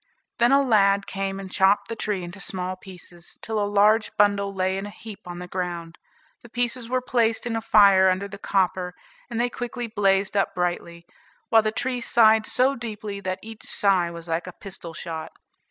Then a lad came and chopped the tree into small pieces, till a large bundle lay in a heap on the ground. The pieces were placed in a fire under the copper, and they quickly blazed up brightly, while the tree sighed so deeply that each sigh was like a pistol shot.